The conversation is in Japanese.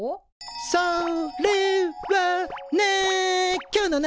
それはね。